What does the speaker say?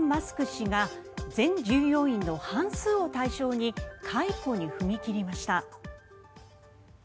氏が全従業員の半数を対象に解雇に踏み切りました。